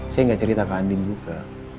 saya gak cerita ke andi juga